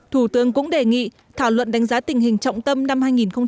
thủ tướng cũng đề nghị thảo luận đánh giá tình hình trọng tâm năm hai nghìn một mươi tám